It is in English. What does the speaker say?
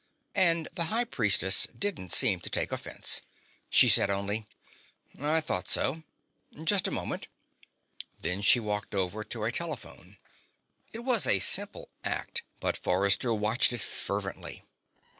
And the High Priestess didn't seem to take offense. She said only: "I thought so. Just a moment." Then she walked over to a telephone. It was a simple act but Forrester watched it fervently.